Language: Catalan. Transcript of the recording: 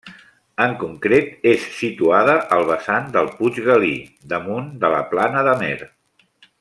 En concret, és situada al vessant del puig Galí, damunt de la plana d'Amer.